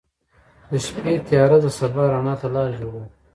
• د شپې تیاره د سبا رڼا ته لاره جوړوي.